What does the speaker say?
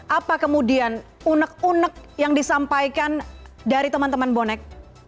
apa kemudian unek unek yang disampaikan dari teman teman bonek